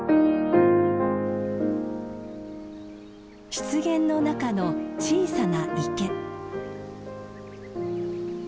湿原の中の小さな池。